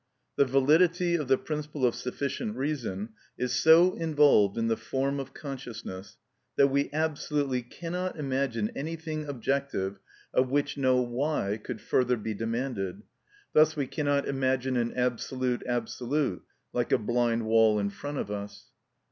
The validity of the principle of sufficient reason is so involved in the form of consciousness that we absolutely cannot imagine anything objective of which no why could further be demanded; thus we cannot imagine an absolute absolute, like a blind wall in front of us.